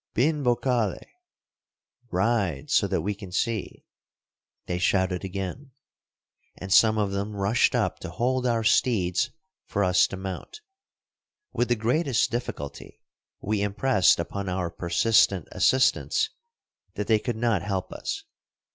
"Bin bocale" ("Ride, so that we can see"), they shouted again; and some of them rushed up to hold our steeds for us to mount. With the greatest difficulty we impressed upon our persistent assistants that they could not help us.